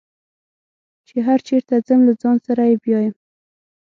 چې هر چېرته ځم له ځان سره یې بیایم.